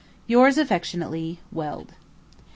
Yours affectionately, WELD.